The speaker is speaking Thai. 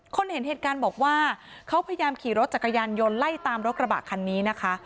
เห็นเหตุการณ์บอกว่าเขาพยายามขี่รถจักรยานยนต์ไล่ตามรถกระบะคันนี้นะคะ